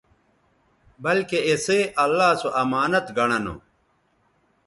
بلکہ اِسئ اللہ سو امانت گنڑہ نو